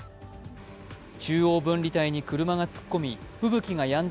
中央分離帯に車が突っ込み吹雪がやんだ